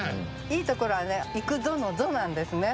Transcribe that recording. いいところはね「行くぞ」の「ぞ」なんですね。